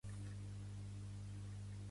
Pertany al moviment independentista l'Amaia?